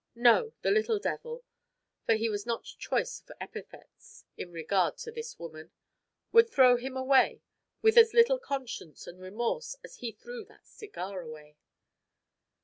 No, the little devil for he was not choice of epithets in regard to this woman would throw him away with as little conscience and remorse as he threw that cigar away!